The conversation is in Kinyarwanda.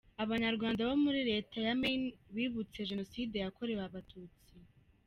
Abanyarwanda bo muri Leta ya Maine bibutse Jenoside yakorewe Abatutsi.